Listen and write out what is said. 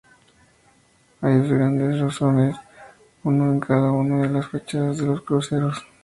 Hay dos grandes rosetones, uno en cada uno de las fachadas de los cruceros.